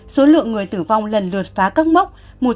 số lượng người tử vong lần lượt phá các mốc